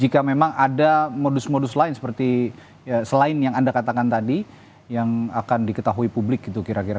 jika memang ada modus modus lain seperti selain yang anda katakan tadi yang akan diketahui publik gitu kira kira